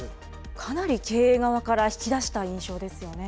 かなり経営側から引き出した印象ですよね。